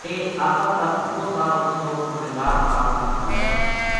لے آخر تک وہ سارو قصو تھہانیدار صاحب نا سنایو